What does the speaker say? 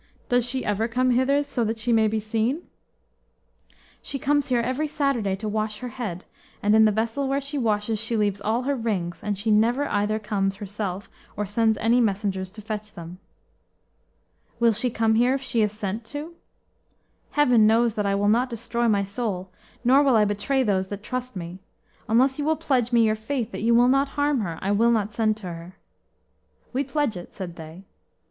Does she ever come hither, so that she may be seen?" "She comes here every Saturday to wash her head, and in the vessel where she washes she leaves all her rings, and she never either comes herself or sends any messengers to fetch them." "Will she come here if she is sent to?" "Heaven knows that I will not destroy my soul, nor will I betray those that trust me; unless you will pledge me your faith that you will not harm her, I will not send to her." "We pledge it," said they.